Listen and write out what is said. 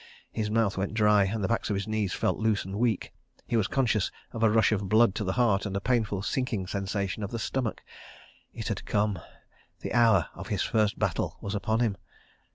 ... His mouth went dry and the backs of his knees felt loose and weak. He was conscious of a rush of blood to the heart and a painful, sinking sensation of the stomach. ... It had come. ... The hour of his first battle was upon him.